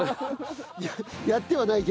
やってはないけど。